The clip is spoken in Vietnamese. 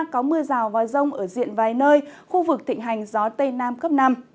có mưa rào và rông ở diện vài nơi khu vực thịnh hành gió tây nam cấp năm